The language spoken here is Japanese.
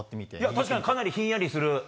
確かにかなりひんやりする。